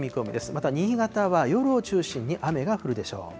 また新潟は夜を中心に雨が降るでしょう。